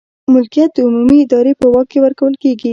ملکیت د عمومي ادارې په واک کې ورکول کیږي.